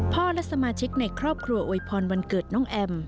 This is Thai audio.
และสมาชิกในครอบครัวอวยพรวันเกิดน้องแอม